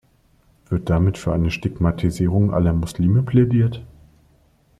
Wird damit für eine Stigmatisierung aller Muslime plädiert?